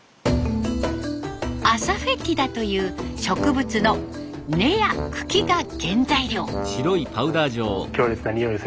アサフェティダという植物の根や茎が原材料。